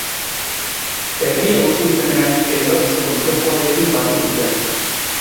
Herria hustu zenean Elortz kontzejuarekin batu zuten.